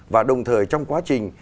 và đồng thời trong quá trình